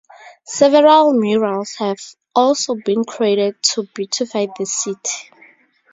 Several murals have also been created to beautify the city.